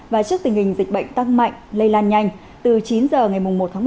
và trước tình hình dịch bệnh tăng mạnh lây lan nhanh từ chín h ngày một một mươi một